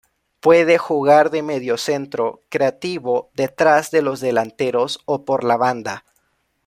Puede jugar de mediocentro creativo, detrás de los delanteros o por la banda.